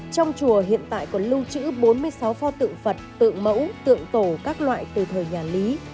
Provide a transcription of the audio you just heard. trong chùa hiện tại còn lưu trữ bốn mươi sáu pho tự phật tự mẫu tượng tổ các loại từ thời nhà lý